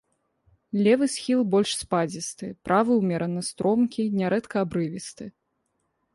Левы схіл больш спадзісты, правы ўмерана стромкі, нярэдка абрывісты.